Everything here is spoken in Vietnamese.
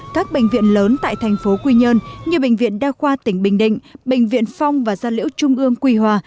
các bệnh viện lớn tại thành phố quy nhơn như bệnh viện đa khoa tỉnh bình định bệnh viện phong và gia liễu trung ương quy hòa